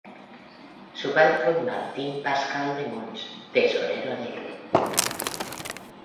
Su padre fue Martin Pascal de Mons, tesorero del rey.